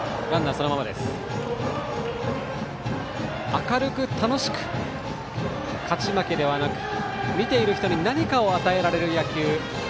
明るく楽しく、勝ち負けではなく見ている人に何かを与えられる野球。